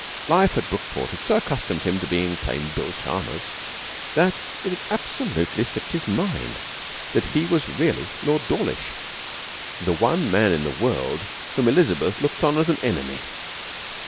Life at Brookport had so accustomed him to being plain Bill Chalmers that it had absolutely slipped his mind that he was really Lord Dawlish, the one man in the world whom Elizabeth looked on as an enemy.